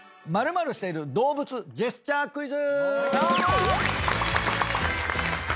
○○している動物ジェスチャークイズ！